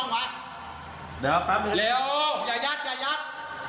ไม่ถ้าเขาจะยัด